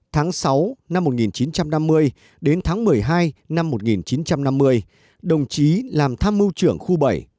tháng sáu năm một nghìn chín trăm năm mươi đến tháng một mươi hai năm một nghìn chín trăm năm mươi đồng chí làm tham mưu trưởng khu bảy